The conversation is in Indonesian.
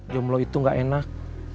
jomlo itu gak enak